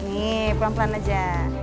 nih pelan pelan aja